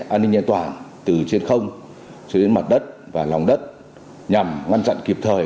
an ninh nhanh toàn từ trên không cho đến mặt đất và lòng đất nhằm ngăn chặn kịp thời